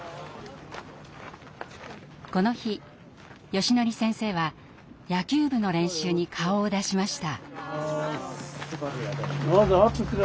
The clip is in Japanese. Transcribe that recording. この日よしのり先生は野球部の練習に顔を出しました。